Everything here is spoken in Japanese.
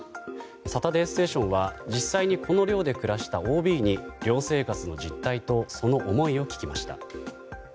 「サタデーステーション」は実際にこの寮で暮らしたＯＢに寮生活の実態とその思いを聞きました。